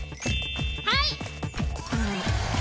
はい！